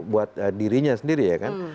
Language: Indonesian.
buat dirinya sendiri ya kan